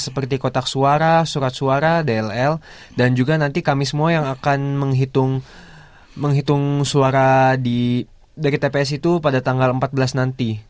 seperti kotak suara surat suara dll dan juga nanti kami semua yang akan menghitung suara dari tps itu pada tanggal empat belas nanti